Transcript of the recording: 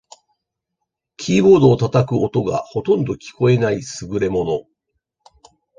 キーボードを叩く音がほとんど聞こえない優れもの